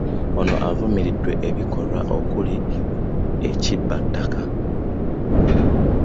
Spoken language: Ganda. Ono avumiridde ebikolwa okuli; ekibbattaka